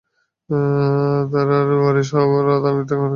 তারা তার ওয়ারিশ হবার জন্যে তার মৃত্যু কামনা করছিল।